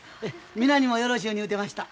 皆にもよろしゅうに言うてました。